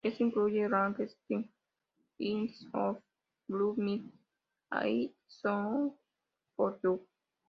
Éste incluye "Orange Sky", "It's only fear", "Blue Mind", y "Song for You".